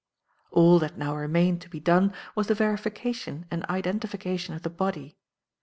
"All that now remained to be done was the verification and identification of the body.